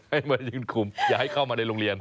ให้มายืนกลุ่มอย่าให้เข้ามาในโรงเรียน